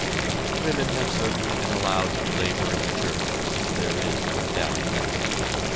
Women have certainly been allowed to labor in the church. There is no doubt of that.